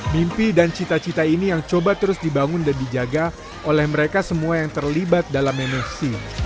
mimpi dan cita cita ini yang coba terus dibangun dan dijaga oleh mereka semua yang terlibat dalam mfc